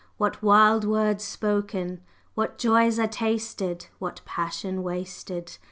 What wild words spoken! What joys are tasted, what passion wasted!